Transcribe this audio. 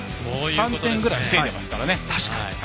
３点ぐらい防いでますからね。